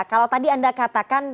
kalau tadi anda katakan